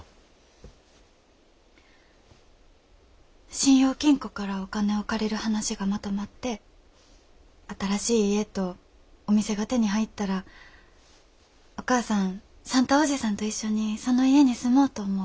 信用金庫からお金を借りる話がまとまって新しい家とお店が手に入ったらお母さん算太伯父さんと一緒にその家に住もうと思う。